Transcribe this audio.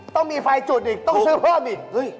ต้องมีไฟจุดอีกต้องซื้อเพิ่มอีก